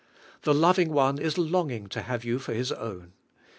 The loving one is longing to have you for His own.